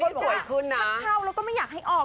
แต่หลายคนบอกว่ามันเข้าแล้วก็ไม่อยากให้ออก